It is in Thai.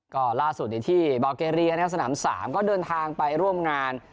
ก็ล่าสุดที่ที่เบาเกรียสนาม๓ก็เดินทางไปร่วมงาน